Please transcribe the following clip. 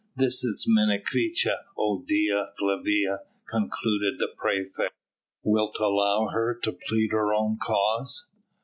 "This is Menecreta, O Dea Flavia," concluded the praefect; "wilt allow her to plead her own cause?"